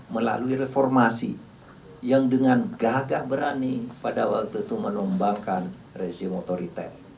melalui reformasi yang dengan gagah berani pada waktu itu menumbangkan rezim otoriter